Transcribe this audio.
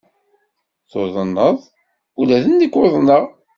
Tuḍneḍ? Ula d nekk uḍneɣ.